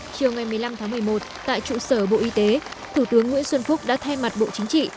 chiều ngày một mươi năm tháng một mươi một tại trụ sở bộ y tế thủ tướng nguyễn xuân phúc đã thay mặt bộ chính trị